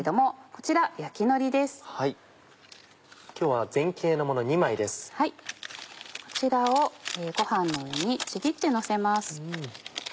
こちらをご飯の上にちぎってのせます。